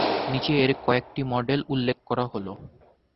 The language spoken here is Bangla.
নিচে এর কয়েকটি মডেল উল্লেখ করা হল-